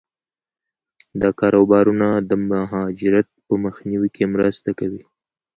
دا کاروبارونه د مهاجرت په مخنیوي کې مرسته کوي.